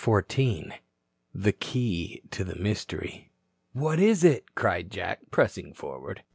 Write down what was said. CHAPTER XIV THE KEY TO THE MYSTERY "What is it?" cried Jack, pressing forward.